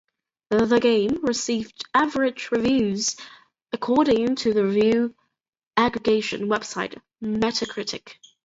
The game received "average" reviews, according to the review aggregation website Metacritic.